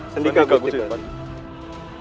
sendika gusti senopati